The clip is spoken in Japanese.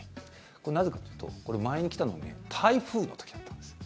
これ、なぜかというと前に来たのは台風の時だったんです。